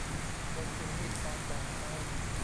เพิ่งจะงีบตอนบ่ายไป